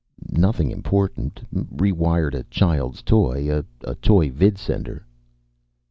"Nothing important. Rewired a child's toy. A toy vidsender."